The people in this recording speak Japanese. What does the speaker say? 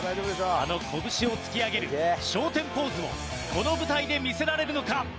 あの拳を突き上げる昇天ポーズをこの舞台で見せられるのか？